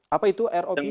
apa itu rov